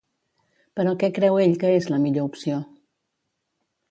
Però què creu ell que és la millor opció?